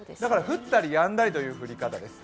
降ったりやんだりという降り方です。